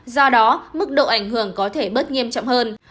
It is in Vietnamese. do đó mức độ ảnh hưởng có thể bớt nghiêm trọng hơn